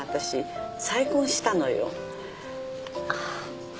ああ。